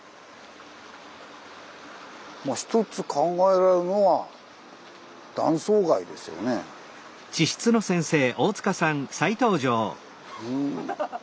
まあ一つ考えられるのはうん。